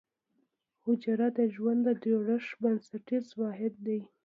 حجره د ژوند د جوړښت بنسټیز واحد دی